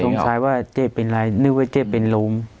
สงสัยว่าเจ๊เป็นไรนึกว่าเจ๊เป็นรุ่ม